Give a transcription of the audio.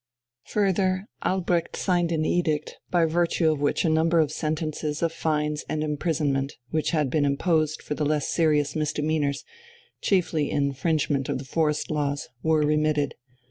Further, Albrecht signed an edict, by virtue of which a number of sentences of fines and imprisonment, which had been imposed for the less serious misdemeanours, chiefly infringement of the forest laws, were remitted.